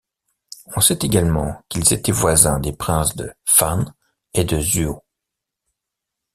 On sait également qu'ils étaient voisins des princes de Fan et de Zuo.